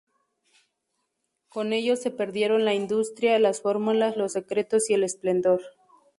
Con ellos se perdieron la industria, las fórmulas, los secretos y el esplendor.